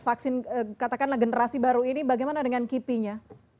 vaksin katakanlah generasi baru ini bagaimana dengan kipinya